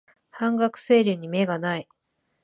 半額セールに目がない